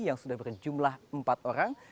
yang sudah berjumlah empat orang